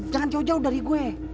jangan jauh jauh dari gue